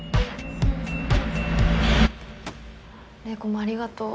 玲子もありがとう。